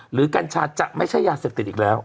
กัญชาจะไม่ใช่ยาเสพติดอีกแล้ว